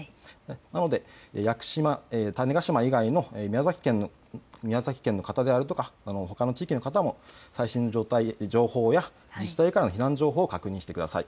なので屋久島、種子島以外の宮崎県の方とかほかの地域の方も最新の情報や自治体からの避難情報を確認してください。